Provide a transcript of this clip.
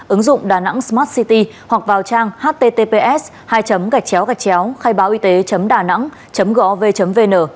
ứng dụng đà nẵng smart city hoặc vào trang https hai gạch chéo gạch chéo khai báo y tế đà nẵng gov vn